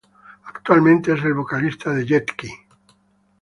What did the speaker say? Actualmente es el vocalista de Jet-Ki.